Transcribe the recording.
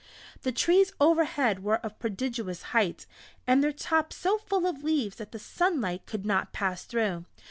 The trees overhead were of a prodigious height, and their tops so full of leaves that the sunlight could not pass through.